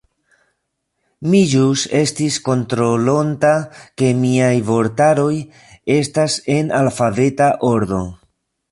Mi ĵus estis kontrolonta ke miaj vortaroj estas en alfabeta ordo.